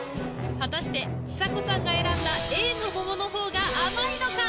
果たしてちさ子さんが選んだＡの桃のほうが甘いのか？